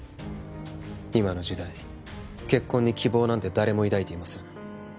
今の時代結婚に希望なんて誰も抱いていません